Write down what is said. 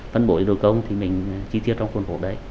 phân bổ cái đầu tư công thì mình chi tiêu trong khuôn hộp đấy